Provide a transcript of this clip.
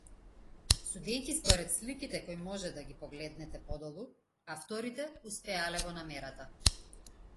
Судејќи според сликите кои може да ги погледнете подолу, авторите успеале во намерата.